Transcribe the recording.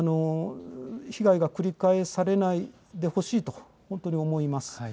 被害が繰り返されないでほしいと、本当に思います。